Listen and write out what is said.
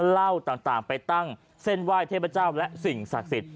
เหล้าต่างไปตั้งเส้นไหว้เทพเจ้าและสิ่งศักดิ์สิทธิ